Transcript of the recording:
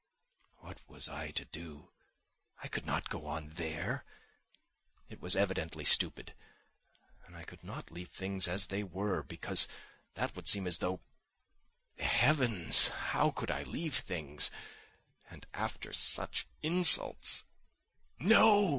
What was I to do? I could not go on there—it was evidently stupid, and I could not leave things as they were, because that would seem as though ... Heavens, how could I leave things! And after such insults! "No!"